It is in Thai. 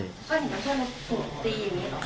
ก็เห็นเพื่อนลุกตีอยู่หรือ